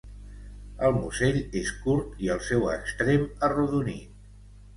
El musell és curt i el seu extrem arrodonit.